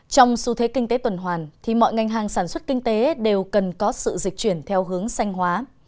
trong xu thế kinh tế tuần hoàn thì mọi ngành hàng sản xuất kinh tế đều cần có sự dịch chuyển theo hướng xanh hóa